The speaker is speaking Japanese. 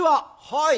「はい。